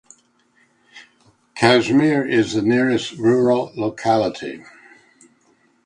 Kazimir is the nearest rural locality.